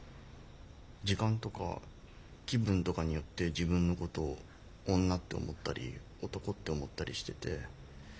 時間とか気分とかによって自分のことを女って思ったり男って思ったりしてて。